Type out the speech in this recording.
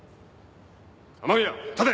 雨宮立て！